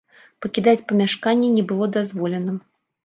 Пакідаць памяшканне не было дазволена.